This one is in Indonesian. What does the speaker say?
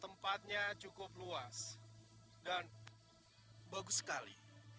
tempatnya cukup luas dan bagus sekali